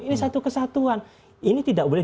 ini satu kesatuan ini tidak boleh